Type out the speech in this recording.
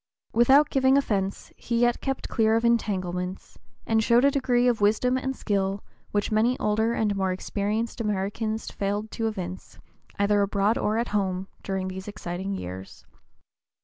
Without giving offence he yet kept clear of entanglements, and showed a degree of wisdom and skill which many older and more experienced Americans failed to evince, either abroad or at home, during these exciting years.